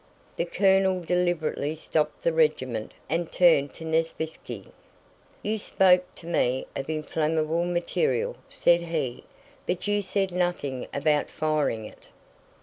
The colonel deliberately stopped the regiment and turned to Nesvítski. "You spoke to me of inflammable material," said he, "but you said nothing about firing it."